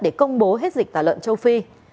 để công bố hết dịch tả lợn châu phi